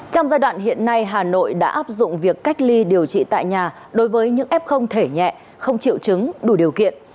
trong giai đoạn hiện nay hà nội đã áp dụng việc cách ly điều trị tại nhà đối với những f thể nhẹ không chịu chứng đủ điều kiện